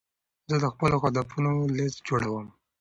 زه د خپلو هدفونو لیست جوړوم.